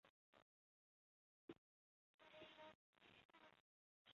输精管是人和动物体内输送精子的生殖管道。